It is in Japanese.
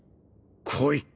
来い。